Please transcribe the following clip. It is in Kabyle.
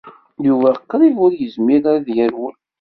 Yuba qṛib ur yezmir ara ad yerwel.